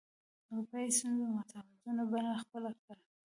اروپایي بنسټونو متفاوته بڼه خپله کړه